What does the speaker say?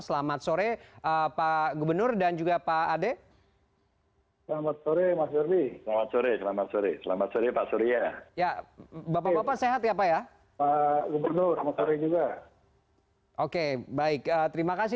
selamat sore pak gubernur dan juga pak ade